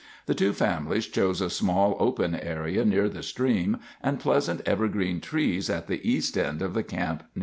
The two families chose a small open area near the stream and pleasant evergreen trees at the east end of the camp near the entrance.